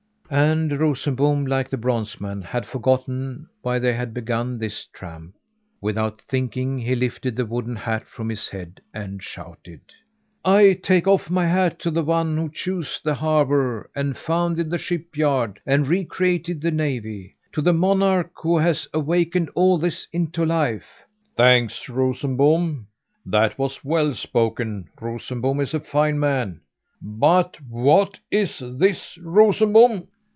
And Rosenbom like the bronze man had forgotten why they had begun this tramp. Without thinking, he lifted the wooden hat from his head and shouted: "I take off my hat to the one who chose the harbour and founded the shipyard and recreated the navy; to the monarch who has awakened all this into life!" "Thanks, Rosenbom! That was well spoken. Rosenbom is a fine man. But what is this, Rosenbom?"